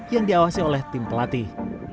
yang diawasi oleh tim pelatih